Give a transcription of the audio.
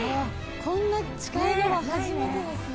こんな近いのは初めてですね。